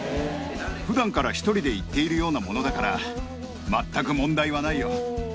ふだんから１人で行っているようなものだから、全く問題はないよ。